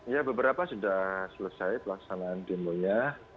ya beberapa sudah selesai pelaksanaan demo nya